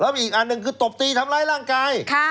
มีอีกอันหนึ่งคือตบตีทำร้ายร่างกาย